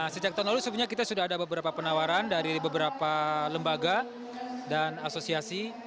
sejak tahun lalu sebenarnya kita sudah ada beberapa penawaran dari beberapa lembaga dan asosiasi